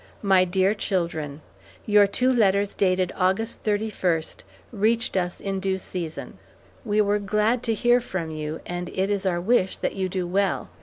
MY DEAR CHILDREN: Your two letters dated August thirty first reached us in due season. We were glad to hear from you, and it is our wish that you do well.